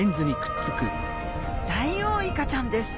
ダイオウイカちゃんです。